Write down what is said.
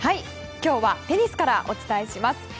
今日はテニスからお伝えします。